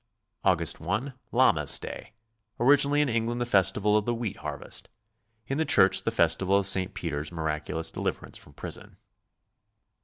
August i, Lammas Day, originally in England the festival of the wtheat harvest; in the church the festival of St. Peter's miraculous deliverance from prison.